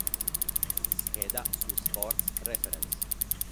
Scheda su Sports reference